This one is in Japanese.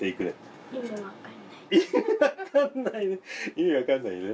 意味わかんないね！